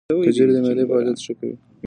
کجورې د معدې فعالیت ښه کوي.